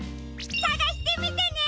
さがしてみてね！